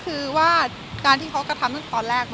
คือว่าการที่เขากระทำตั้งแต่แรก